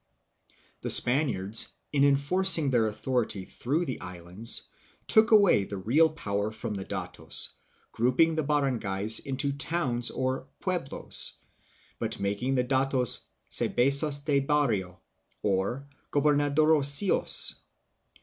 The Spaniards, in enforcing their authority through the islands, took away the real power from the datos, grouping the baran gays into towns, or " pueblos," and making the datos, headmen, caciques or principales.